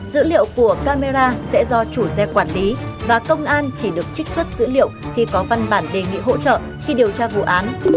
dữ liệu của camera sẽ do chủ xe quản lý và công an chỉ được trích xuất dữ liệu khi có văn bản đề nghị hỗ trợ khi điều tra vụ án